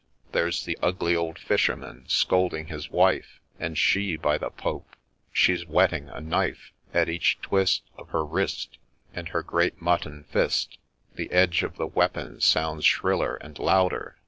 — There 's the ugly old fisherman scolding his wife — And she !— by the Pope I she 'a whetting a knife !— At each twist Of her wrist, And her great mutton fist, The edge of the weapon sounds shriller and louder